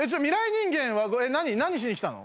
人間は何しに来たの？